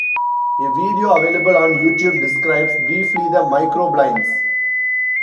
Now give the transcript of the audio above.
A video available on YouTube describes briefly the micro-blinds.